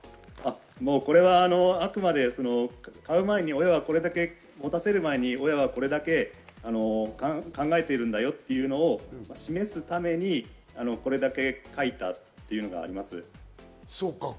もうこれはあくまで買う前に親はこれだけ持たせる前に考えてるんだよというのを示すためにこれだけ書いたというのがあります。